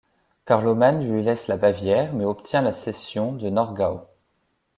Carloman lui laisse la Bavière, mais obtient la cession du Nordgau.